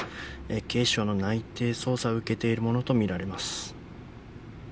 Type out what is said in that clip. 警視庁の内偵捜査を受けているものと見られます。